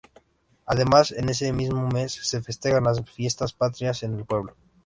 Además, en ese mismo mes, se festejan las fiestas patrias en el pueblo.